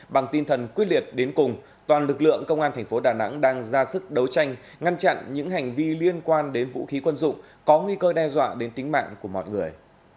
bằng tinh thần quyết liệt đến cùng toàn lực lượng công an thành phố đà nẵng đang ra sức đấu tranh ngăn chặn những hành vi liên quan đến vũ khí quân dụng có nguy cơ đe dọa đến tính mạng của mọi người